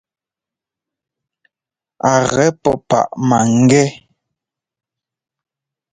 A gɛ pó páʼ máŋgɛ́.